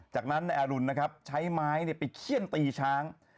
จากนั้นอรุณใช้ไม้ไปเขี้ยนตีช้าง